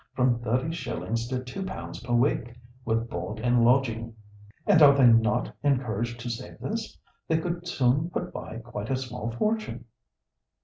from thirty shillings to two pounds per week, with board and lodging." "And are they not encouraged to save this? They could soon put by quite a small fortune."